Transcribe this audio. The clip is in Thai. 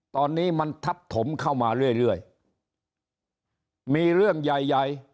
ตอนนี้มันทับถมเข้ามาเรื่อยเรื่อยมีเรื่องใหญ่ใหญ่